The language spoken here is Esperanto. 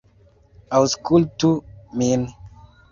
Aŭskultu min!